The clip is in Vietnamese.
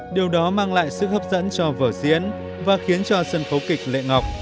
điều đó mang lại sức hấp dẫn cho vở diễn và khiến cho sân khấu kịch lệ ngọc